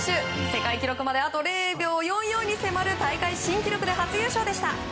世界記録まであと０秒４４に迫る大会新記録で初優勝でした。